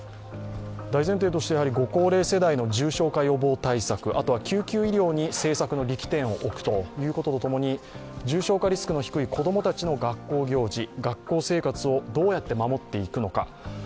大前提としてご高齢世代の重症予防対策、あとは救急医療に政策の力点を置くということとともに重症化リスクの低い子供たちの学校行事、学校生活をどうやって守っていくのか。